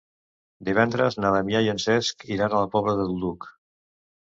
Divendres na Damià i en Cesc iran a la Pobla del Duc.